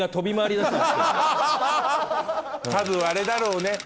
多分あれだろうね。